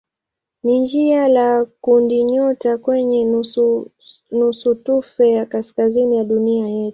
ni jina la kundinyota kwenye nusutufe ya kaskazini ya dunia yetu.